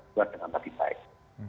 dapat dibuat dengan lebih baik